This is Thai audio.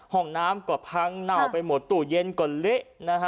ห้องน้ำก็พังเน่าไปหมดตู้เย็นก็เละนะฮะ